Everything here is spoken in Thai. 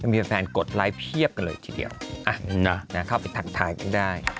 มีแฟนกดไลค์เพียบกันเลยทีเดียวเข้าไปทักทายกันได้